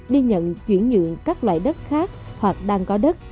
đi nhận chuyển nhượng các loại đất khác hoặc đang có đất